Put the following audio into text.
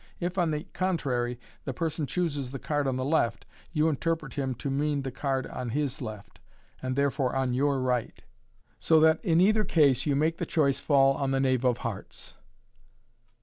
If, on the con trary, the person chooses the card on the left, you interpret him to mean the card on his left, and therefore on your right j so that in either case you make the choice fall on the knave of hearts.